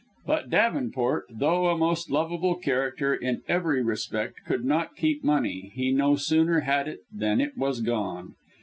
But Davenport, though a most lovable character in every respect, could not keep money he no sooner had it than it was gone.